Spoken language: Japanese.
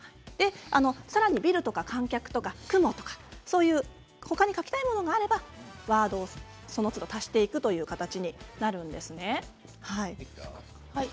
さらに「ビル」や「観客」「雲」とか他に描きたいものがあればワードを、そのつど足していくという形になるんです。